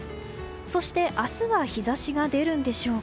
明日は日差しが出るんでしょうか。